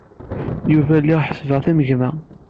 Yuba lliɣ ḥesbeɣ-t am gma.